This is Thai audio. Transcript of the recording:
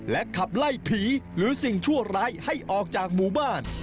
ขับไล่ผีหรือสิ่งชั่วร้ายให้ออกจากหมู่บ้าน